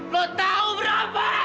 lo tau berapa